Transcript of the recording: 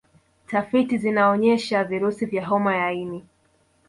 Tafiti zinaonyesha virusi vya homa ya ini